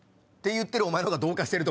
言ってるお前がどうかしてる。